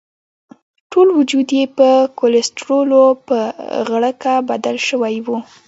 ټول وجود یې په کولسټرولو په غړکه بدل شوی وو.